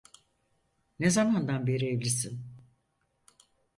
Ne zamandan beri evlisin?